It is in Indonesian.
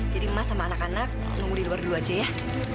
jadi mas sama anak anak nunggu di luar dulu aja ya